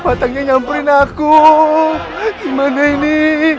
hati hati nyamperin aku di mana ini